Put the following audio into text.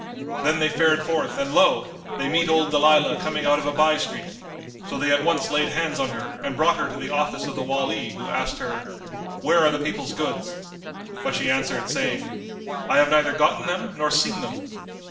[FN#206] Then they fared forth and lo! they met old Dalilah coming out of a by street: so they at once laid hands on her and brought her to the office of the Wali who asked her, "Where are the people's goods?" But she answered, saying, "I have neither gotten them nor seen them."